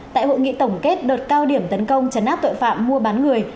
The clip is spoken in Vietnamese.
tại hội nghị tổng kết đợt cao điểm tấn công chấn áp tội phạm mua bán người